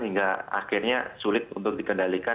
hingga akhirnya sulit untuk dikendalikan